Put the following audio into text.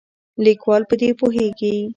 لیکوال په دې پوهیږي.